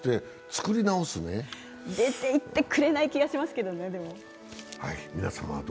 でも、出ていってくれない気がしますけどね。